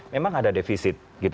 memang ada defisit